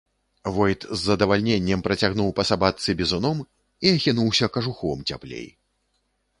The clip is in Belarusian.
Войт з задавальненнем працягнуў па сабачцы бізуном і ахінуўся кажухом цяплей.